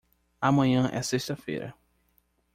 Amanhã é sexta-feira.